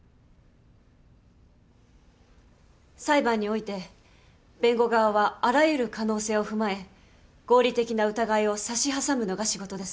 裁判において弁護側はあらゆる可能性を踏まえ合理的な疑いを差し挟むのが仕事です。